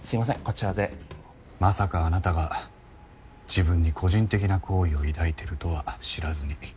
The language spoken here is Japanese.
こちらでまさかあなたが自分に個人的な好意を抱いてるとは知らずに。